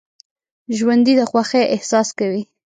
ژوندي د خوښۍ احساس کوي